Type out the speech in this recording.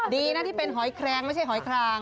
ดีนะที่เป็นหอยแครงไม่ใช่หอยคลาง